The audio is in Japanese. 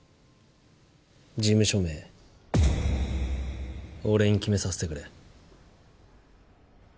事務所名俺に決めさせてくれ。